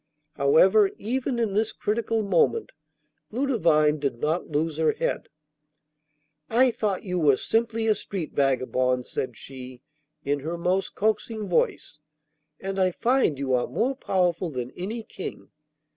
However, even in this critical moment, Ludovine did not lose her head. 'I thought you were simply a street vagabond,' said she, in her most coaxing voice; 'and I find you are more powerful than any king.